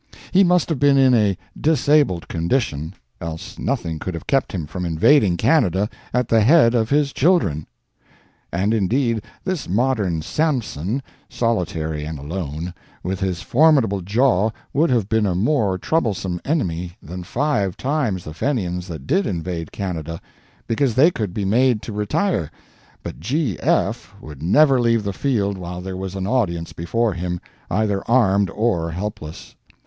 He must have been in a disabled condition, else nothing could have kept him from invading Canada at the head of his "children." And indeed, this modern Samson, solitary and alone, with his formidable jaw would have been a more troublesome enemy than five times the Fenians that did invade Canada, because they could be made to retire, but G.F. would never leave the field while there was an audience before him, either armed or helpless.